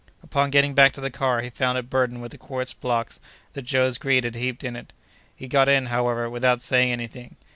Upon getting back to the car, he found it burdened with the quartz blocks that Joe's greed had heaped in it. He got in, however, without saying any thing.